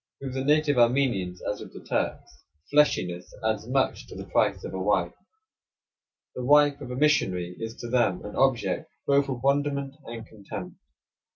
With the native Armenians, as with the Turks, fleshiness adds much to the price of a wife. The wife of a missionary is to them an object both of wonderment and contempt.